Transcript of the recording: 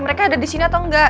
mereka ada di sini atau enggak